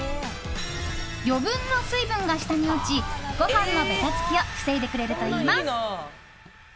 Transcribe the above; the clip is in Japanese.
余分な水分が下に落ちご飯のべたつきを防いでくれるといいます。